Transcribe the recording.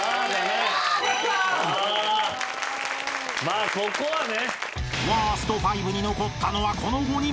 まあここはね。［ワースト５に残ったのはこの５人］